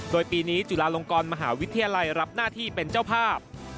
โดยปีนี้จุฬาลงกรมหาวิทยาลัยรับหน้าที่เป็นเจ้าภาพ